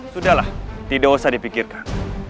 sudahlah tidak usah dipikirkan